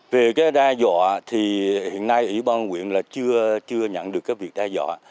về cái đe dọa thì hiện nay ủy ban hội nguyện chưa nhận được cái việc đe dọa